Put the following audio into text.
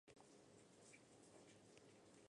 Luego procede a destruir el laboratorio y escapa.